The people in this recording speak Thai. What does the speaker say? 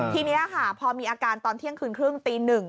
ทีนี้ค่ะพอมีอาการตอนเที่ยงคืนครึ่งตี๑